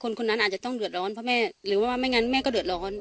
คนคนนั้นอาจจะต้องเดือดร้อนเพราะแม่หรือว่าไม่งั้นแม่ก็เดือดร้อน